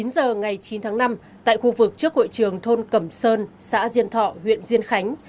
chín giờ ngày chín tháng năm tại khu vực trước hội trường thôn cẩm sơn xã diên thọ huyện diên khánh